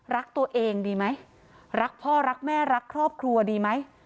รักตัวเองดีไหมรักพ่อรักแม่รักครอบครัวดีไหม